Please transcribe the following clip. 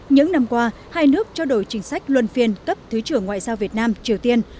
những năm qua hai nước trao đổi chính sách luân phiên cấp thứ trưởng ngoại giao việt nam triều tiên